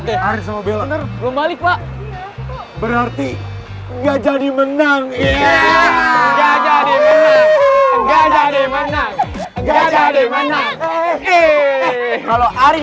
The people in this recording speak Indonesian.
berarti enggak jadi menang enggak jadi menang enggak jadi menang enggak jadi menang kalau ari